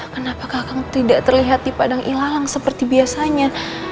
kenapa kakak tidak terlihat di padang ilalang seperti biasanya